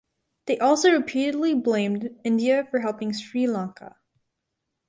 They also repeatedly blamed India for helping Sri Lanka.